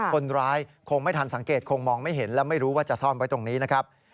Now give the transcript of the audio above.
คนร้ายคงไม่ทันสังเกตคงมองไม่เห็นและไม่รู้ว่าจะซ่อนไว้ตรงนี้นะครับ